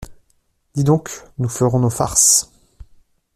Dis donc, nous ferons nos farces !